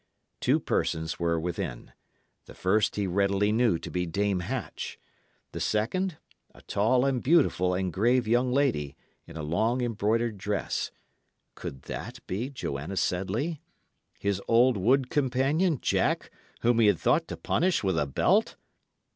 Two persons were within; the first he readily knew to be Dame Hatch; the second, a tall and beautiful and grave young lady, in a long, embroidered dress could that be Joanna Sedley? his old wood companion, Jack, whom he had thought to punish with a belt?